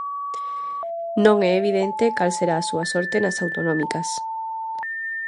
Non é evidente cal será a súa sorte nas autonómicas.